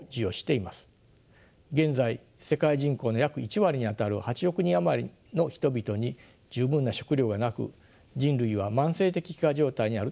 現在世界人口の約１割にあたる８億人余りの人々に十分な食糧がなく人類は慢性的飢餓状態にあるとされます。